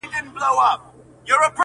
چي تل نوي کفن کښ یو زورولي-